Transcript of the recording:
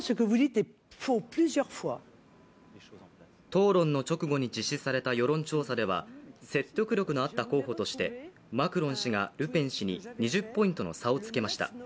討論の直後に実施された世論調査では説得力のあった候補として、マクロン氏がルペン氏に２０ポイントの差をつけました。